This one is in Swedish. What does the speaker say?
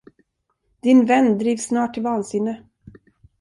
Din vän drivs snart till vansinne.